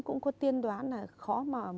cũng có tiên đoán là khó mà